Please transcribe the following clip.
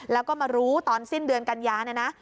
แล้วก็มารู้ตอนสิ้นเดือนกันยาเนี่ยนะ